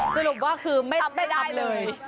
สรุปว่าคือไม่ทำไม่ได้เลย